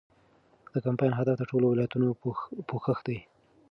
د کمپاین هدف د ټولو ولایتونو پوښښ دی.